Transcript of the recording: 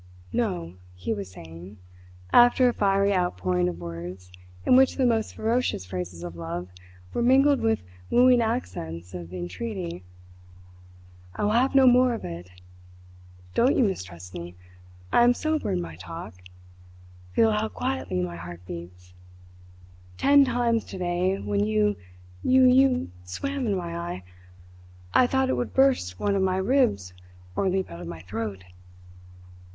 "No!" he was saying, after a fiery outpouring of words in which the most ferocious phrases of love were mingled with wooing accents of entreaty. "I will have no more of it! Don't you mistrust me. I am sober in my talk. Feel how quietly my heart beats. Ten times today when you, you, you, swam in my eye, I thought it would burst one of my ribs or leap out of my throat.